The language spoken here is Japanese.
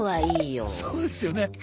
そうですよね。